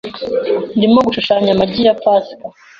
Ndimo gushushanya amagi ya pasika .